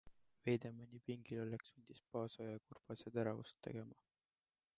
Veidemani pingilolek sundis Paasoja ja Kurbase teravust tegema.